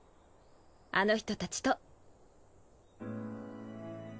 あの人たちと。